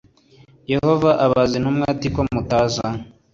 Yehova abaza intumwa ati komutaza